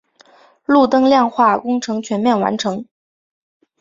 路灯亮化工程全面完成。